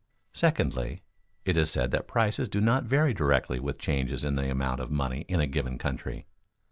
Secondly, it is said that prices do not vary directly with changes in the amount of money in a given country.